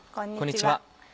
こんにちは。